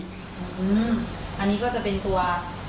อันนี้ก็จะเป็นตัว